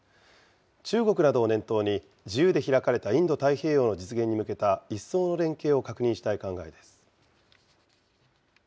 中国などを念頭に自由で開かれたインド太平洋の実現に向けた、一層の連携を確認したい考えです。